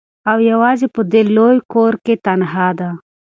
او یوازي په دې لوی کور کي تنهاده